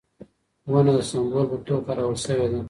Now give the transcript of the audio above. ونه د سمبول په توګه کارول شوې ده.